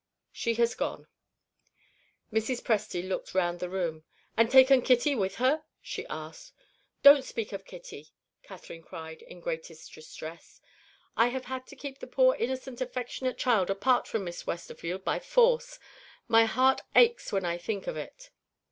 "She has gone." Mrs. Presty looked round the room. "And taken Kitty with her?" she asked. "Don't speak of Kitty!" Catherine cried in the greatest distress. "I have had to keep the poor innocent affectionate child apart from Miss Westerfield by force. My heart aches when I think of it."